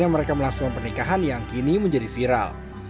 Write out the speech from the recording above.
melaksanakan pernikahan yang kini menjadi viral